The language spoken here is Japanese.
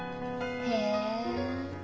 へえ。